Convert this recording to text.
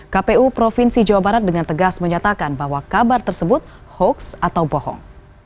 kpu provinsi jawa barat dengan tegas menyatakan bahwa kabar tersebut hoax atau bohong